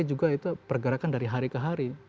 itu juga pergerakan dari hari ke hari